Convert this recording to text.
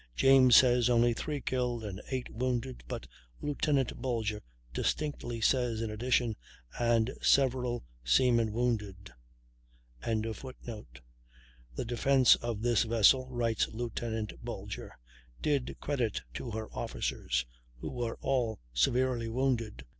James says only 3 killed and 8 wounded; but Lieutenant Bulger distinctly says in addition, "and several seamen wounded."] "The defence of this vessel," writes Lieut. Bulger, "did credit to her officers, who were all severely wounded."